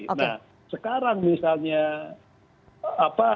nah sekarang misalnya